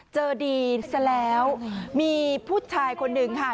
เจอดีซะแล้วมีผู้ชายคนหนึ่งค่ะ